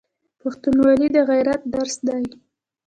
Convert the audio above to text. پښتونولي د غیرت درس دی.